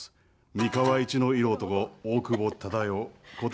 三河一の色男、大久保忠世こと